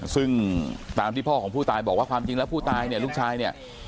ซึ่งตามที่พ่อของผู้ตายบอกว่าความจริงแล้วผู้ตายเนี่ยลูกชายเนี่ย